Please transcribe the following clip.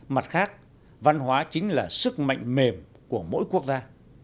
mặt khác văn hóa chính là sức mạnh mềm của mỗi quốc gia